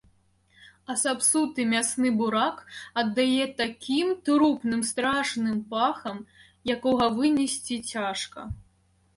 А сапсуты мясны бурак аддае такім трупным страшным пахам, якога вынесці цяжка.